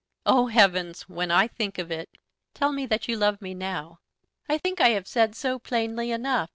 Oh, heavens! when I think of it." "Tell me that you love me now." "I think I have said so plainly enough.